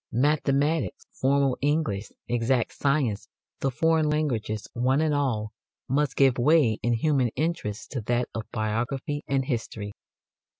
Mathematics, formal English, exact science, the foreign languages, one and all, must give way in human interest to that of biography and history.